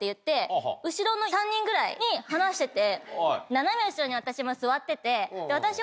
斜め後ろに私も座ってて。